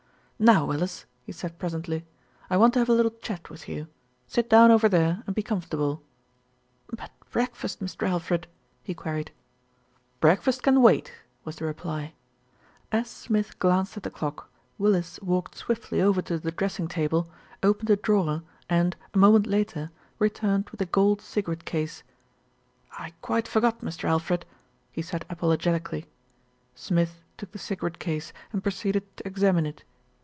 "Now, Willis," he said presently. "I want to have a little chat with you. Sit down over there and be com fortable." "But breakfast, Mr. Alfred?" he queried. "Breakfast can wait," was the reply. As Smith glanced at the clock, Willis walked swiftly over to the dressing table, opened a drawer and, a moment later, returned with a gold cigarette case. "I quite forgot, Mr. Alfred," he said apologetically. Smith took the cigarette case and proceeded to examine it.